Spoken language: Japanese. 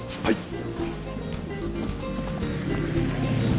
はい。